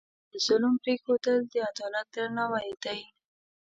د ظلم پرېښودل، د عدالت درناوی دی.